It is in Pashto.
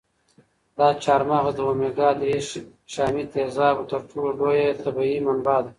دا چهارمغز د اومیګا درې شحمي تېزابو تر ټولو لویه طبیعي منبع ده.